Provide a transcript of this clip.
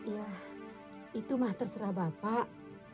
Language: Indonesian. ya itu mah terserah bapak